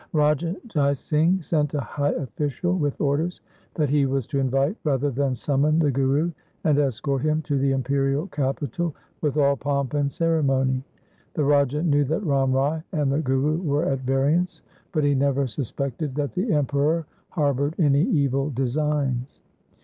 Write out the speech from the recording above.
Raja Jai Singh sent a high official with orders that he was to invite rather than summon the Guru, and escort him to the imperial capital with all pomp and ceremony. The Raja knew that Ram Rai and the Guru were at variance, but he never suspected that the Emperor harboured any evil designs.